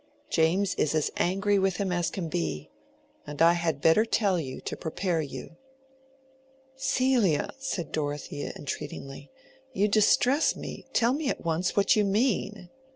James is as angry with him as can be. And I had better tell you, to prepare you." "Celia," said Dorothea, entreatingly, "you distress me. Tell me at once what you mean."